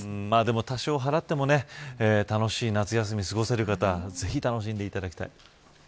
多少払ってでも楽しい夏休みを過ごせる方はぜひ、楽しんでいただきたい。